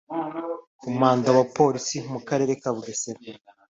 Komanda wa Polisi mu Karere ka Bugesera